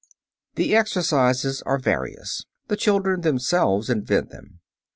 The exercises are various; the children themselves invent them.